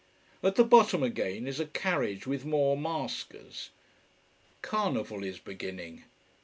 At the bottom, again, is a carriage with more maskers. Carnival is beginning.